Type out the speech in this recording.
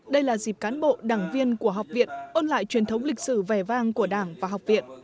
đây là dịp cán bộ đảng viên của học viện ôn lại truyền thống lịch sử vẻ vang của đảng và học viện